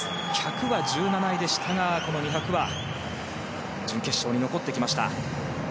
１００は１７位でしたがこの２００は準決勝に残ってきました。